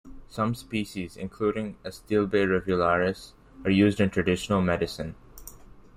Some species, including "Astilbe rivularis", are used in traditional medicine.